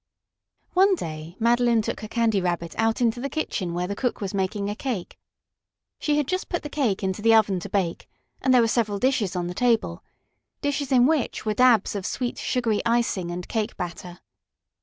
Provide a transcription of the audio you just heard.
One day Madeline took her Candy Rabbit out into the kitchen where the cook was making a cake. She had just put the cake into the oven to bake, and there were several dishes on the table dishes in which were dabs of sweet, sugary icing and cake batter.